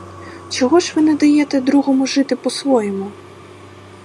Чого ж ви не даєте другому жити по-своєму?